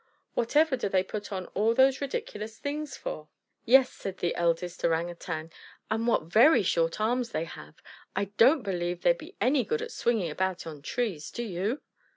Whatever do they put on all those ridiculous things for?" "Yes," said the eldest Orang Utang. "And what very short arms they have! I don't believe they'd be any good at swinging about on trees, do you?"